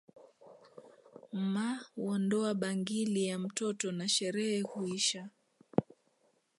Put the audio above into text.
Mma huondoa bangili ya mtoto na sherehe huisha